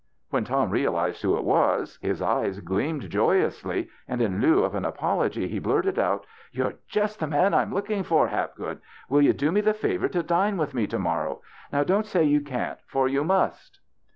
When Tom realized who it was his eyes gleamed joyously, and in lieu of an apology he blurted out :" You're just the man I'm looking for, Hap good. Will you do me the favor to dine with me to morrow ? Now don't say you can't, for you must."